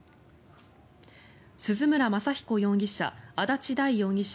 鈴村雅彦容疑者、足立大容疑者